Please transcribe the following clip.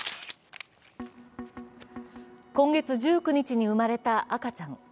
今月１９日に生まれた赤ちゃん。